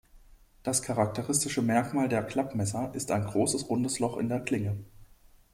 Das charakteristische Merkmal der Klappmesser ist ein großes rundes Loch in der Klinge.